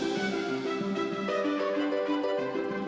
ini orang siapa ini